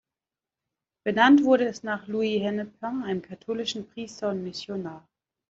Benannt wurde es nach Louis Hennepin, einem katholischen Priester und Missionar.